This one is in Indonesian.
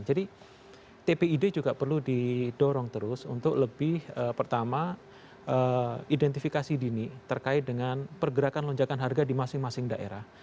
jadi tpid juga perlu didorong terus untuk lebih pertama identifikasi dini terkait dengan pergerakan lonjakan harga di masing masing daerah